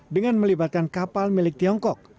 dengan melibatkan kapal milik tiongkok